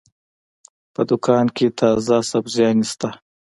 په دوکان کې تازه سبزيانې شته.